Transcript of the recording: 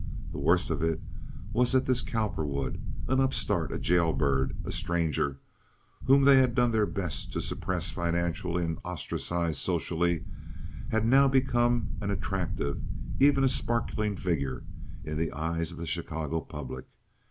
The worst of it was that this Cowperwood—an upstart, a jail bird, a stranger whom they had done their best to suppress financially and ostracize socially, had now become an attractive, even a sparkling figure in the eyes of the Chicago public.